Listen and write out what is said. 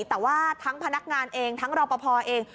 แต่ว่าทั้งพนักงานเองทั้งรอปภเอง